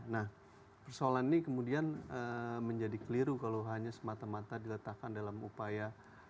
nah persoalan ini kemudian menjadi keliru kalau hanya semata mata diletakkan dalam upaya